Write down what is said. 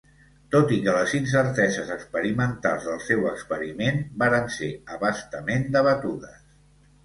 Tot i que les incerteses experimentals del seu experiment varen ser a bastament debatudes.